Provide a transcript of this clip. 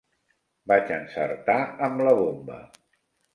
Vaig encertar amb la bomba